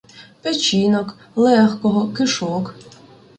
Печінок, легкого, кишок.